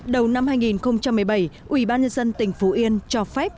đầu năm hai nghìn một mươi bảy ủy ban nhân dân tỉnh phú yên cho phép